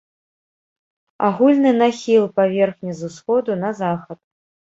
Агульны нахіл паверхні з усходу на захад.